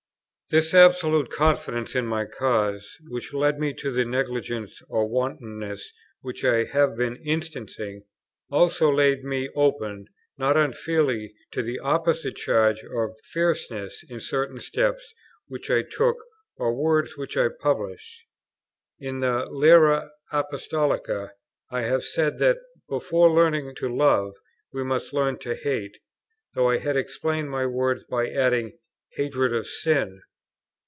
This absolute confidence in my cause, which led me to the negligence or wantonness which I have been instancing, also laid me open, not unfairly, to the opposite charge of fierceness in certain steps which I took, or words which I published. In the Lyra Apostolica, I have said that before learning to love, we must "learn to hate;" though I had explained my words by adding "hatred of sin."